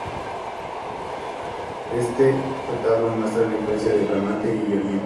Este retablo muestra la influencia de Bramante y Giorgione.